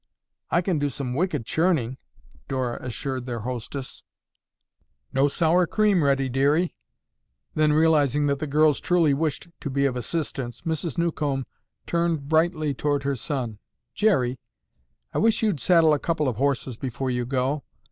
"I can do some wicked churning," Dora assured their hostess. "No sour cream ready, dearie." Then, realizing that the girls truly wished to be of assistance, Mrs. Newcomb turned brightly toward her son. "Jerry, I wish you'd saddle a couple of horses before you go.